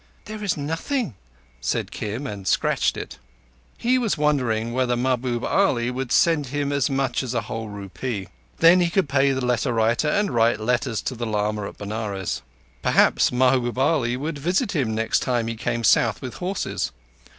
"There is nothing," said Kim, and scratched it. He was wondering whether Mahbub Ali would send him as much as a whole rupee. Then he could pay the letter writer and write letters to the lama at Benares. Perhaps Mahbub Ali would visit him next time he came south with horses.